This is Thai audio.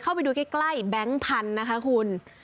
เข้าไปดูใกล้แบงค์พันธุ์นะคะคุณ